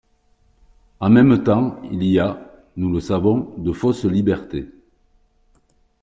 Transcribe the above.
En même temps, il y a, nous le savons, de fausses libertés.